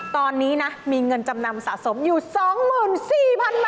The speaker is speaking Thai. ตอนนี้นะมีเงินจำนำสะสมอยู่๒๔๐๐๐บาท